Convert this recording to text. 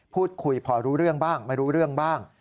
พูดคุยพอรู้เรื่องบ้างไม่รู้เรื่องบ้าง